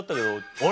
あれ？